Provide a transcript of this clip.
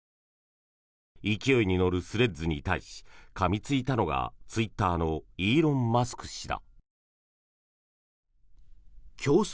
勢いに乗るスレッズに対しかみついたのがツイッターのイーロン・マスク氏だ。